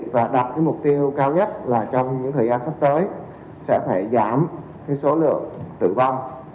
và đặt mục tiêu cao nhất là trong những thời gian sắp tới sẽ phải giảm số lượng tử vong